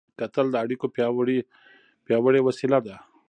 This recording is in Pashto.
کتل د اړیکو پیاوړې وسیله ده